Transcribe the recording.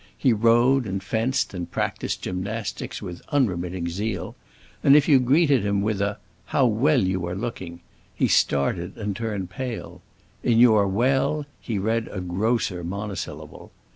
He rode and fenced and practiced gymnastics with unremitting zeal, and if you greeted him with a "How well you are looking" he started and turned pale. In your well he read a grosser monosyllable.